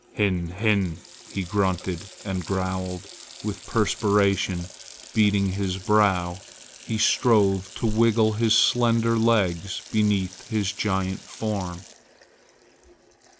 "Hin! hin!" he grunted and growled. With perspiration beading his brow he strove to wiggle his slender legs beneath his giant form.